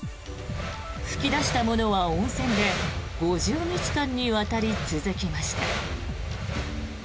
噴き出したものは温泉で５０日間にわたり続きました。